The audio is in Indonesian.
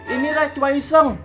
ini lah cuma iseng